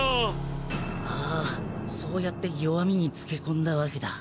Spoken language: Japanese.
あぁそうやって弱みにつけ込んだわけだ。